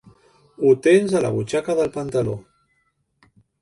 Ho tens a la butxaca del pantaló.